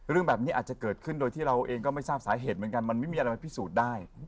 เรื่องแบบนี้อาจจะเกิดขึ้นโดยที่เราเองก็ไม่ทราบสาเหตุเหมือนกันมันไม่มีอะไรมาพิสูจน์ได้